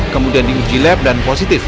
kemudian diuji lab dan positif